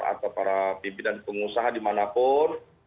atau para pimpinan pengusaha dimanapun